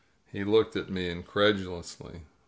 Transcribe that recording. He looked at me incredulously.